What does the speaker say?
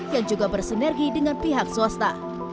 yang juga bersinergi dengan pihak swasta